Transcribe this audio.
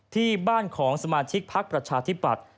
ที่บ้านของสมาชิกพักประชาธิปัตย์